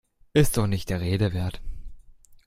Ist doch nicht der Rede wert!